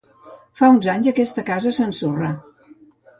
Fa uns anys aquesta casa s'ensorrà.